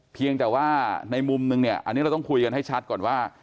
เพียงแต่ว่าในมุมนึงเนี่ยอันนี้เราต้องคุยกันให้ชัดก่อนว่า